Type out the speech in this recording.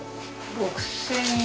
６０００円？